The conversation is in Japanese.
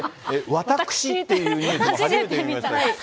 私って言うニュースも初めて見ました。